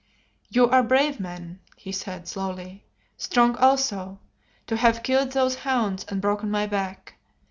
"You are brave men," he said, slowly, "strong also, to have killed those hounds and broken my back.